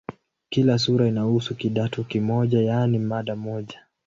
Kila sura inahusu "kidato" kimoja, yaani mada moja.